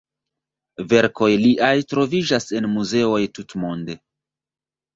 Verkoj liaj troviĝas en muzeoj tutmonde.